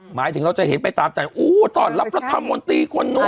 หมายถึงเราจะเห็นไปตามต้อนรับแล้วทำอ่อนตีคนโน้น